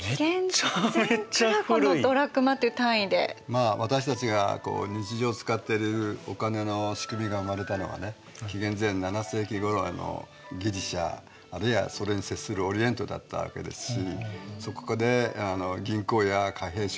まあ私たちが日常使ってるお金の仕組みが生まれたのはね紀元前７世紀ごろのギリシアあるいはそれに接するオリエントだったわけですしそこで銀行や貨幣商も古代ギリシアに誕生したというわけですね。